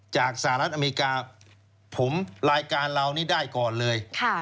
สหรัฐอเมริกาผมรายการเรานี่ได้ก่อนเลย